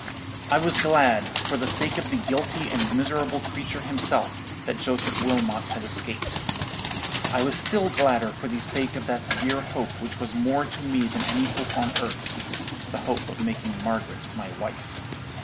"I was glad, for the sake of the guilty and miserable creature himself, that Joseph Wilmot had escaped. I was still gladder for the sake of that dear hope which was more to me than any hope on earth—the hope of making Margaret my wife.